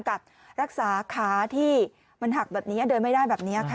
รักษาขาที่มันหักแบบนี้เดินไม่ได้แบบนี้ค่ะ